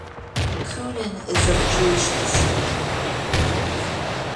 Koonin is of Jewish descent.